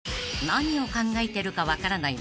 ［何を考えてるか分からない